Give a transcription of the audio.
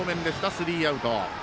スリーアウト。